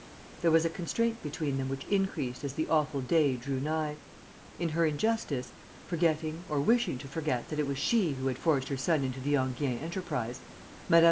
There was a constraint between them which increased as the awful day drew nigh. In her injustice, forgetting or wishing to forget that it was she who had forced her son into the Enghien enterprise, Mme.